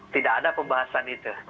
tidak ada pembahasan itu